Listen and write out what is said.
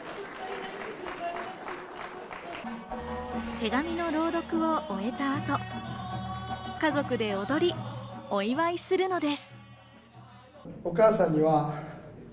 手紙の朗読を終えた後、家族で踊り、お祝いするのです。